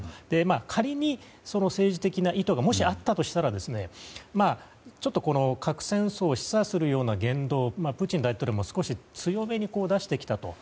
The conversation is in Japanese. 仮に、その政治的な意図がもしあったとしたら核戦争を示唆するような言動、プーチン大統領も少し強めに出してきたと。